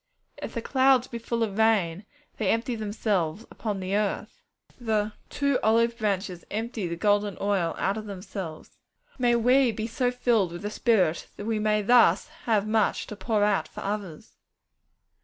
'If the clouds be full of rain, they empty themselves upon the earth.' The 'two olive branches empty the golden oil out of themselves.' May we be so filled with the Spirit that we may thus have much to pour out for others!